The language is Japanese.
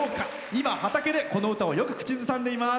今、畑でこの歌をよく口ずさんでいます。